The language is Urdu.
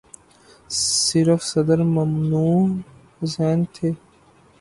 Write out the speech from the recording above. صرف صدر ممنون حسین تھے۔